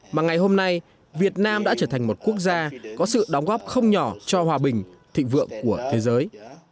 mà ngày hôm nay việt nam đã trở thành một quốc gia có sự đóng góp không nhỏ cho hòa bình thịnh vượng của thế giới